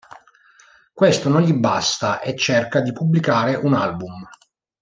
Questo non gli basta, e cerca di pubblicare un album.